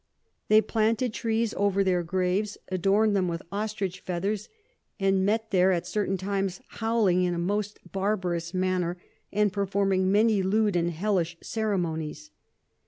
They planted Trees over their Graves, adorn'd them with Ostrich Feathers, and met there at certain times, howling in a most barbarous manner, and performing many lewd and hellish Ceremonies.